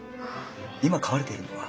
今飼われているのは？